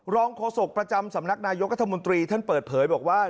โฆษกประจำสำนักนายกรัฐมนตรีท่านเปิดเผยบอกว่า